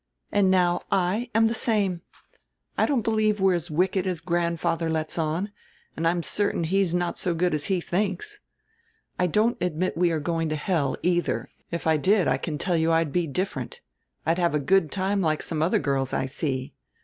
And now I am the same. I don't believe we're as wicked as grandfather lets on, and I'm certain he's not so good as he thinks. I don't admit we are going to hell, either; if I did I can tell you I'd be different. I'd have a good time like some other girls I see.